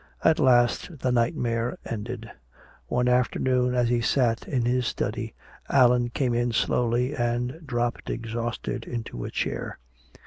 At last the nightmare ended. One afternoon as he sat in his study, Allan came in slowly and dropped exhausted into a chair.